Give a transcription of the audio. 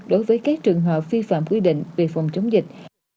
đối với các trường hợp vi phạm quy định về phòng chống dịch